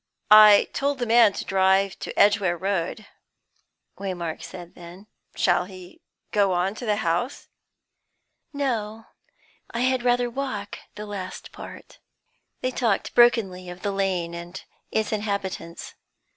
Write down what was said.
"I told the man to drive to Edgware Road," Waymark said then. "Shall he go on to the house?" "No; I had rather walk the last part." They talked brokenly of the Lane and its inhabitants.